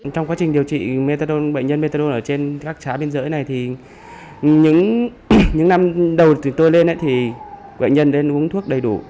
trong quá trình điều trị bệnh nhân methadon ở trên các xã biên giới này thì những năm đầu từ tôi lên thì bệnh nhân đến uống thuốc đầy đủ